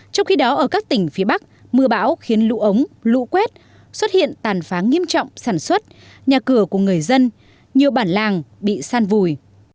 trong khi đó ở các tỉnh phía bắc mưa bão khiến lũ ống lũ quét xuất hiện tàn phá nghiêm trọng sản xuất nhà cửa của người dân nhiều bản làng bị san vùi